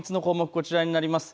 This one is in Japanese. こちらになります。